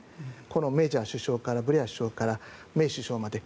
このメージャー首相からブレア首相からメイ首相まで。